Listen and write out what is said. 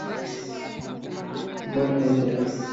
মাল খাই চলো।